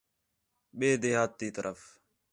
ٻئے دیہات تی طرف